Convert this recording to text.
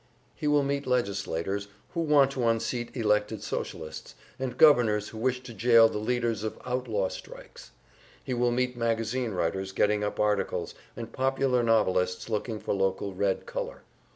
He will meet legislators who want to unseat elected Socialists, and governors who wish to jail the leaders of "outlaw" strikes. He will meet magazine writers getting up articles, and popular novelists looking for local Red color.